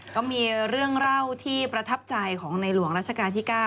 ก็มีเรื่องร่าวที่ประทับใจของวันนายหลวงราชการที่เก้า